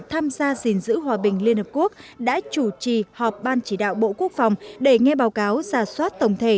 tham gia gìn giữ hòa bình liên hợp quốc đã chủ trì họp ban chỉ đạo bộ quốc phòng để nghe báo cáo giả soát tổng thể